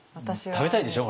食べたいでしょう？